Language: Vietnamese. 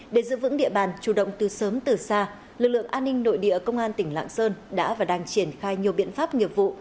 để giữ vững địa bàn chủ động từ sớm từ xa lực lượng an ninh nội địa công an tỉnh lạng sơn đã và đang triển khai nhiều biện pháp nghiệp vụ